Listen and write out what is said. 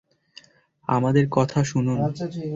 আমাদের কথা শুনুন।